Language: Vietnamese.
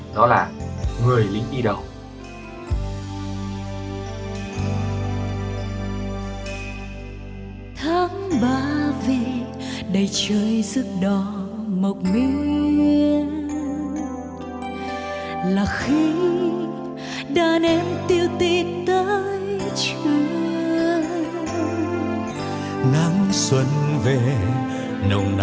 đó là người lính đi đầu